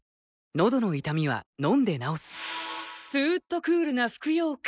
のどの痛みは飲んで治すスーッとクールな服用感！